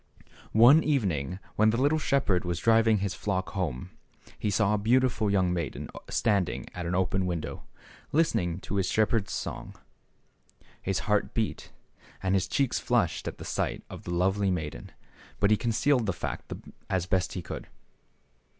One evening when the little shepherd was driving his flock home, he saw a beautiful young maiden standing at an open window, listening to his shepherd's song. His heart beat and his cheeks flushed at the sight of the lovely maiden, but he concealed the fact as best he could.